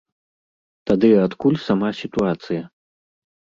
Тады адкуль сама сітуацыя?